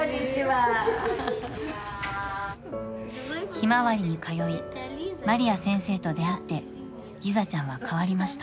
ひまわりに通い、マリア先生と出会ってリザちゃんは変わりました。